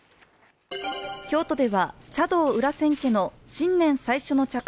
京都では茶道・裏千家の新年最初の茶会、